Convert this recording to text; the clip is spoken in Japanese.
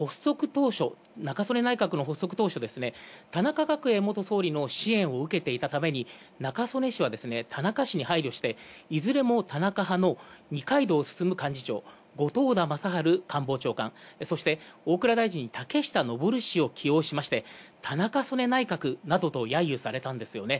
中曽根内閣の発足当時、田中角栄元総理の支援を受けていたため、中曽根氏は田中氏に配慮して、いずれも田中派の二階堂進幹事長、後藤田正晴官房長官、そして、大蔵大臣に竹下登氏を起用しまして、田中曽根内閣などと、やゆされたんですよね。